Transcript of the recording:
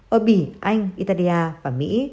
ở bỉ anh italia và mỹ